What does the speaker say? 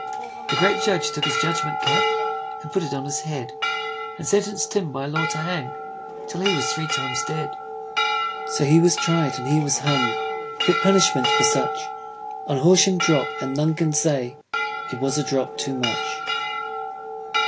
The great judge took his judgment cap, And put it on his head, And sentenc'd Tim by law to hang, 'Till he was three times dead. So he was tried, and he was hung (Fit punishment for such) On Horsham drop, and none can say It was a drop too much.